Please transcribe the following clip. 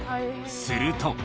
すると。